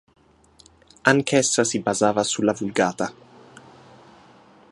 Anch'essa si basava sulla Vulgata.